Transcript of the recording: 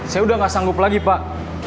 saya udah gak sanggup lagi pak